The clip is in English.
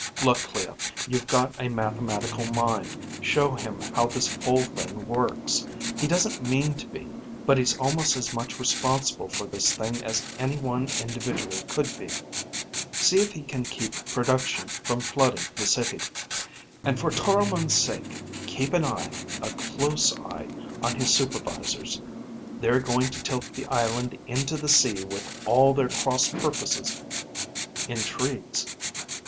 Look, Clea, you've got a mathematical mind. Show him how this whole thing works. He doesn't mean to be, but he's almost as much responsible for this thing as any one individual could be. See if he can keep production from flooding the city. And for Toromon's sake, keep an eye, a close eye on his supervisors. They're going to tilt the island into the sea with all their cross purposes intrigues.